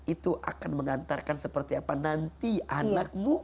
itu akan mengantarkan seperti apa nanti anakmu